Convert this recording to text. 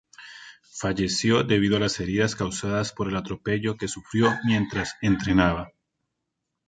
Falleció debido a las heridas causadas por el atropello que sufrió mientras entrenaba.